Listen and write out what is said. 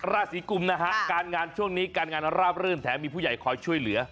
ราศีกุมนะฮะการงานช่วงนี้การงานราบรื่นแถมมีผู้ใหญ่คอยช่วยเหลือ